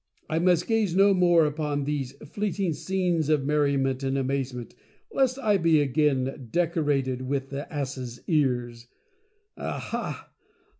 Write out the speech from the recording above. I must gaze no more upon these Fleeting Scenes of Merriment and Amazement, lest I be again decorated with the Asses' Ears. Aha!